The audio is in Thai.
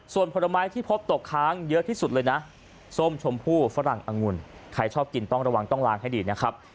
ส่วนผลไม้ที่พบตกค้างเยอะที่สุดเลยนะส้มชมพู่ฝรั่งองุ่นใครชอบกินต้องระวังต้องล้างให้ดีนะครับ